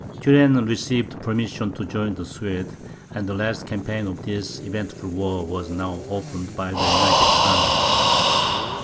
Turenne received permission to join the Swedes; and the last campaign of this eventful war was now opened by the united armies.